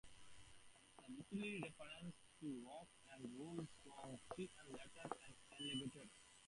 The title references the rock and roll song See You Later Alligator.